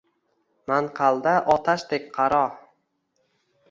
manqalda otashdek qaro